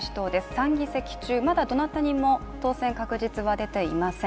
３議席中、まだどなたにも当選確実は出ていません。